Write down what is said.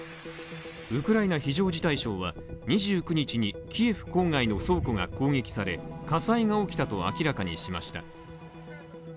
ウクライナ非常事態省は、２９日にキエフ郊外の倉庫が攻撃され火災が起きたと明らかにしました。